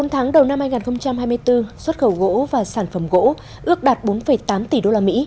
bốn tháng đầu năm hai nghìn hai mươi bốn xuất khẩu gỗ và sản phẩm gỗ ước đạt bốn tám tỷ usd